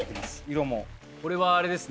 色もこれはあれですね